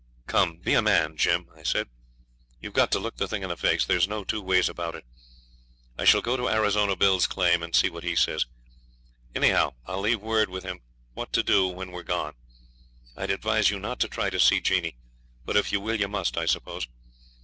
'Come, be a man, Jim,' I said, 'we've got to look the thing in the face; there's no two ways about it. I shall go to Arizona Bill's claim and see what he says. Anyhow I'll leave word with him what to do when we're gone. I'd advise you not to try to see Jeanie; but if you will you must, I suppose.